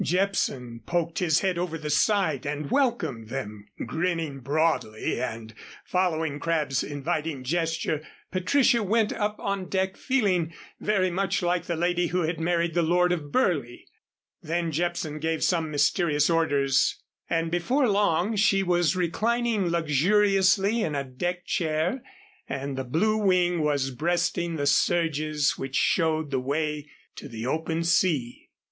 Jepson poked his head over the side and welcomed them, grinning broadly, and, following Crabb's inviting gesture, Patricia went up on deck feeling very much like the lady who had married the Lord of Burleigh. Then Jepson gave some mysterious orders and before long she was reclining luxuriously in a deck chair and the Blue Wing was breasting the surges which showed the way to the open sea.